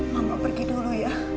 mamak pergi dulu ya